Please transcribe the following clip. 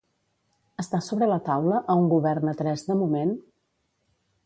Està sobre la taula a un govern a tres de moment?